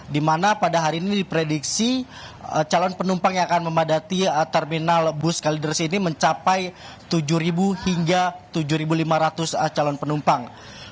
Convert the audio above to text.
di mana pada hari ini diprediksi calon penumpang yang akan memadati terminal bus kalideres ini mencapai tujuh hingga tujuh lima ratus calon penumpang